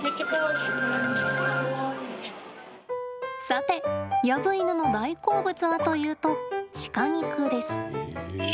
さてヤブイヌの大好物はというと鹿肉です。